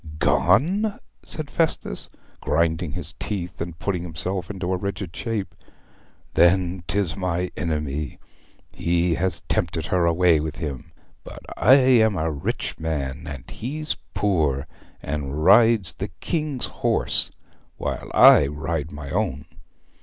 'Gone!' said Festus, grinding his teeth and putting himself into a rigid shape. 'Then 'tis my enemy he has tempted her away with him! But I am a rich man, and he's poor, and rides the King's horse while I ride my own.